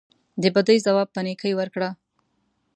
د بدۍ ځواب په نیکۍ ورکړه.